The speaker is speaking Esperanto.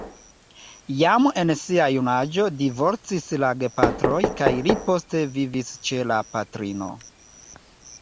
Jam en sia junaĝo divorcis la gepatroj kaj li poste vivis ĉe la patrino.